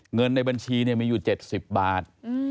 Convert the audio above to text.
เงินในบัญชีมีอยู่๗๐บาท